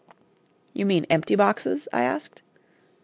"You mean empty boxes?" I asked.